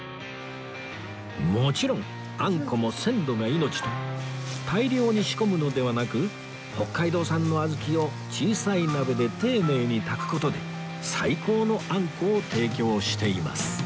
もちろんあんこも鮮度が命と大量に仕込むのではなく北海道産の小豆を小さい鍋で丁寧に炊く事で最高のあんこを提供しています